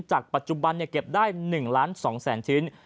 จากปัจจุบันเก็บได้๑ล้าน๒แสนชิ้น